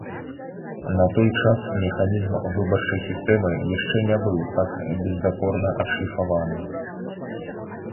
На той час механізм выбарчай сістэмы яшчэ не быў так бездакорна адшліфаваны.